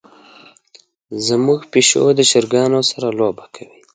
زمونږ پیشو د چرګانو سره لوبه کوي.